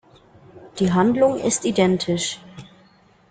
Die Handlung ist identisch.